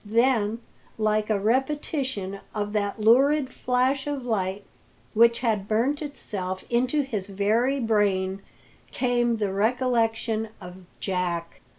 Then, like a repetition of that lurid flash of light which had burnt itself into his very brain, came the recollection of Jack.